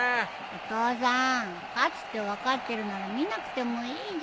お父さん勝つって分かってるなら見なくてもいいじゃん。